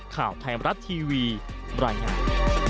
ข่าวไทยมรัฐทีวีบรรยายงาน